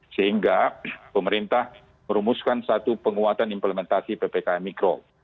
sehingga pemerintah merumuskan satu penguatan implementasi ppkm mikro